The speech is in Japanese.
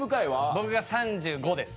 僕が３５歳です。